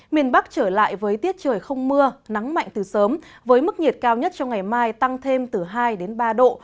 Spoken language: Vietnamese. miền bắc trở lại với tiết trời không mưa nắng mạnh từ sớm với mức nhiệt cao nhất trong ngày mai tăng thêm từ hai đến ba độ